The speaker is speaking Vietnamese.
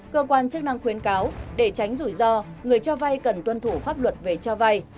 cơ quan chức năng khuyến cáo để tránh rủi ro người cho vay cần tuân thủ pháp luật về cho vay